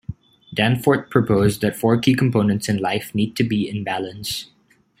Danforth proposed that four key components in life need to be in balance.